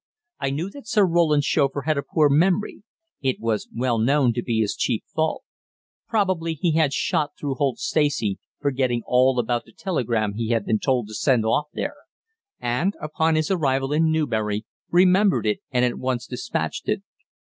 I knew that Sir Roland's chauffeur had a poor memory it was well known to be his chief fault; probably he had shot through Holt Stacey, forgetting all about the telegram he had been told to send off there, and, upon his arrival in Newbury, remembered it and at once despatched it.